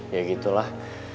ya gitu lah